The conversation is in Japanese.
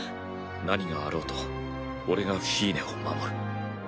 何があろうと俺がフィーネを守る。